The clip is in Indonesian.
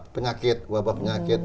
penyakit wabah penyakit